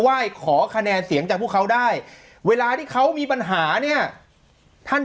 ไหว้ขอคะแนนเสียงจากพวกเขาได้เวลาที่เขามีปัญหาเนี่ยท่าน